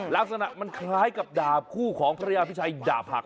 ลักษณะมันคล้ายกับดาบคู่ของพระยาพิชัยดาบหัก